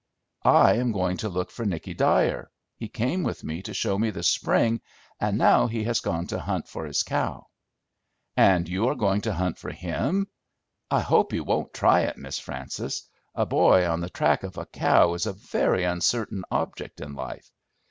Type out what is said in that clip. "I am going to look for Nicky Dyer. He came with me to show me the spring, and now he has gone to hunt for his cow." "And you are going to hunt for him? I hope you won't try it, Miss Frances: a boy on the track of a cow is a very uncertain object in life.